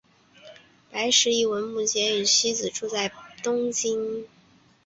白石一文目前与妻子住在东京。